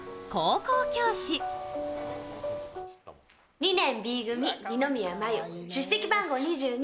２年Ｂ組、二宮繭、出席番号２２。